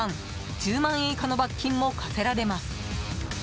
１０万円以下の罰金も科せられます。